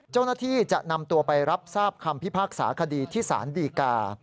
เจ้าหน้าที่จะนำตัวไปรับทราบคำพิพากษาคดีที่สารดีกา